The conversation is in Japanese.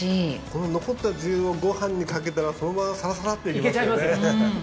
この残ったつゆをごはんにかけたらそのままサラサラっていけますよね。